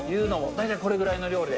大体これぐらいの量で。